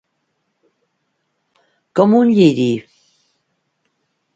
Com un lliri.